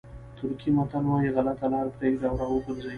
ترکي متل وایي غلطه لاره پرېږدئ او را وګرځئ.